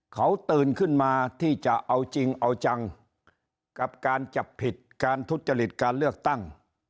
เขาตื่นขึ้นมาที่จะเอาจริงเอาจังกับการจับผิดการทุจริตการเลือกตั้ง